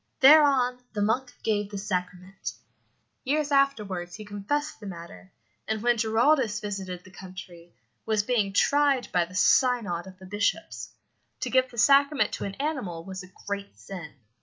Thereon the monk gave the sacrament. Years afterwards he confessed the matter, and when Giraldus visited the country, was being tried by the synod of the bishops. To give the sacrament to an animal was a great sin.